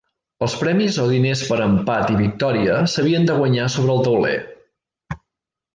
Els premis o diners per empat i victòria s'havien de guanyar sobre el tauler.